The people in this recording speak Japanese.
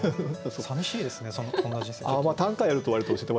さみしいですねこんな人生。